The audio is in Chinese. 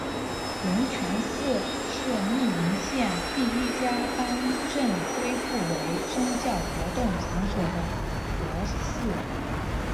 龙泉寺是密云县第一家颁证恢复为宗教活动场所的佛寺。